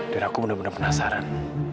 aku benar benar penasaran